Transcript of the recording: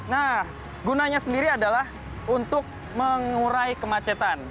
nah gunanya sendiri adalah untuk mengurai kemacetan